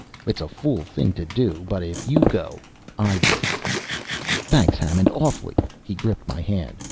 It's a fool thing to do! But if you go, I do!" "Thanks, Hammond. Awfully!" He gripped my hand.